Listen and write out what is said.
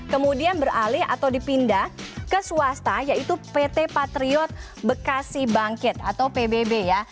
kemudian beralih atau dipindah ke swasta yaitu pt patriot bekasi bangkit atau pbb ya